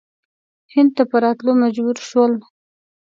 هند ته په راتللو مجبور شول.